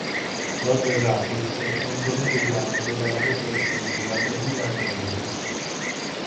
Roger Rabbit è un coniglio bianco dalla voce stridula che vive a Los Angeles.